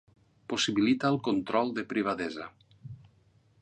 Possibilita el control de privadesa.